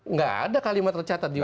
nggak ada kalimat tercatat